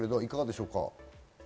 いかがでしょうか？